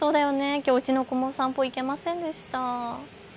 きょううちの子もお散歩行けませんでした。